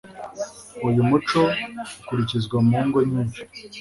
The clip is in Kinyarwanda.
Uyu muco ukurikizwa mu ngo nyinshi